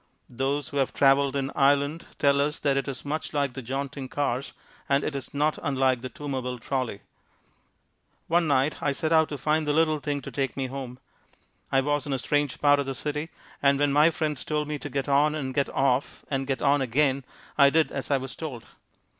Those who have traveled in Ireland tell us that it is much like the jaunting cars, and it is not unlike the Toomerville Trolley. One night I set out to find the little thing to take me home. I was in a strange part of the city and when my friends told me to get on and get off and get on again I did as I was told.